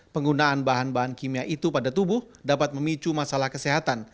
penggunaan bahan bahan kimia itu pada tubuh dapat memicu masalah kesehatan